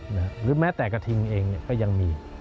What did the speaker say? หรือแม้แต่กระทิงเองก็ยังมี